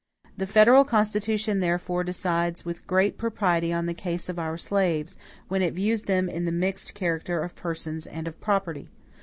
The federal Constitution, therefore, decides with great propriety on the case of our slaves, when it views them in the mixed character of persons and of property.